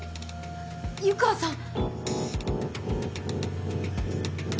湯川さん。